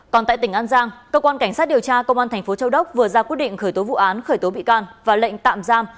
còn tại tỉnh an giang cơ quan cảnh sát điều tra công an thành phố châu đốc vừa ra quyết định khởi tố vụ án khởi tố bị can và lệnh tạm giam